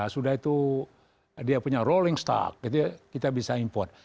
sudah itu dia punya rolling start kita bisa import